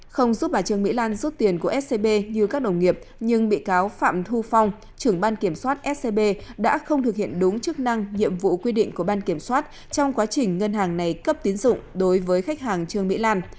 không giúp bà trương mỹ lan rút tiền của scb như các đồng nghiệp nhưng bị cáo phạm thu phong trưởng ban kiểm soát scb đã không thực hiện đúng chức năng nhiệm vụ quy định của ban kiểm soát trong quá trình ngân hàng này cấp tiến dụng đối với khách hàng trương mỹ lan